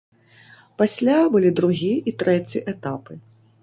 Пасля былі другі і трэці этапы.